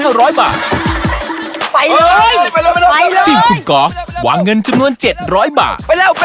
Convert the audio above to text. โจมตีชิมคุณก๊อกวางเงินทั้งเงิน๗๐๐บาท